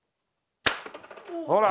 ほら！